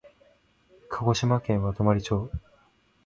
鹿児島県和泊町